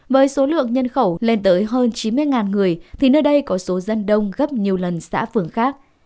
với số lượng nhân khẩu lên tới hơn chín mươi người thì nơi đây có số dân đông gấp nhiều lần xã phường khác